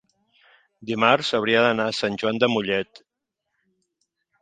dimarts hauria d'anar a Sant Joan de Mollet.